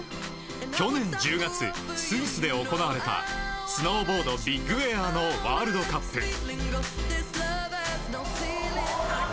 去年１０月、スイスで行われたスノーボード・ビッグエアのワールドカップ。